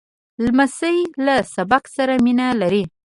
لمسی له سبق سره مینه لري.